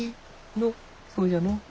のうそうじゃのう。